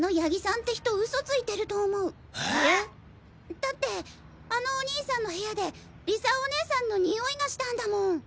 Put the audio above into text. だってあのお兄さんの部屋で理沙お姉さんのにおいがしたんだもん！